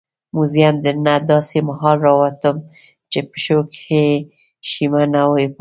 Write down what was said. موزیم نه داسې مهال راووتم چې پښو کې شیمه نه وه پاتې.